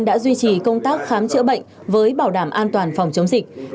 đã duy trì công tác khám chữa bệnh với bảo đảm an toàn phòng chống dịch